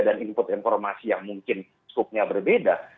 dan input informasi yang mungkin skupnya berbeda